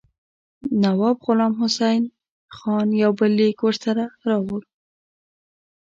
نواب غلام حسین خان یو بل لیک ورسره راوړ.